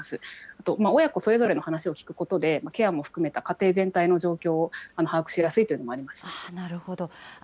あと、親子それぞれの話を聴くことで、ケアも含めた家庭全体の状況を把握しやすいというのもありなるほど。